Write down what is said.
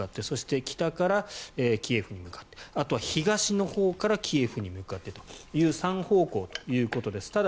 そして、北からキエフに向かってあとは東のほうからキエフに向かってという３方向ということです。